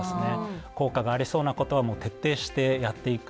効果がありそうなことは徹底してやっていく。